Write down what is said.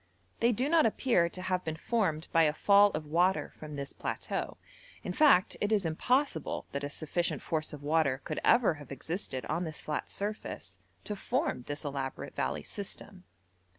They do not appear to have been formed by a fall of water from this plateau; in fact, it is impossible that a sufficient force of water could ever have existed on this flat surface to form this elaborate valley system.